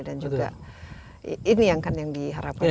dan juga ini yang kan yang diharapkan juga